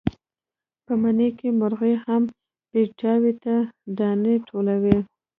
په مني کې مرغۍ هم پیتاوي ته دانې ټولوي.